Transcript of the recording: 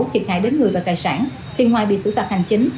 thiệt hại đến người và tài sản thì ngoài bị xử phạt hành chính